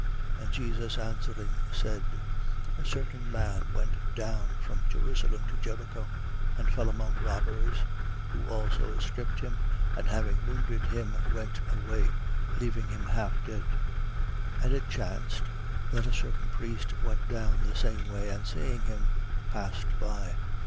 10:30. And Jesus answering, said: A certain man went down from Jerusalem to Jericho and fell among robbers, who also stripped him and having wounded him went away, leaving him half dead. 10:31. And it chanced, that a certain priest went down the same way: and seeing him, passed by.